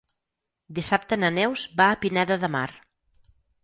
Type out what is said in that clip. Dissabte na Neus va a Pineda de Mar.